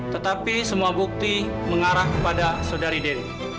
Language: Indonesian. tetapi semua bukti mengarah kepada saudari den